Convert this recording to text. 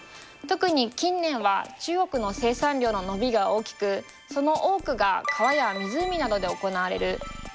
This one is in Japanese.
特に近年は中国の生産量の伸びが大きくその多くが川や湖などで行われる